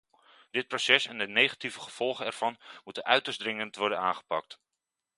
Dit proces en de negatieve gevolgen ervan moeten uiterst dringend worden aangepakt.